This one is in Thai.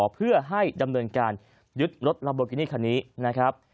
เพื่อให้ดำเนินการยึดรถลัมโบกินี่คันนี้นะครับ